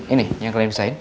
ini yang kalian pesain